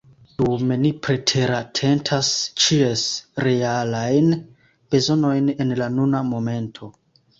Dume ni preteratentas ĉies realajn bezonojn en la nuna momento.